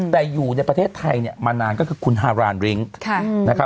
แต่อยู่ในประเทศไทยเนี่ยมานานก็คือคุณฮารานลิ้งค์